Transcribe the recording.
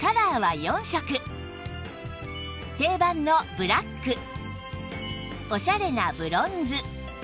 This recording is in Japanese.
定番のブラックおしゃれなブロンズ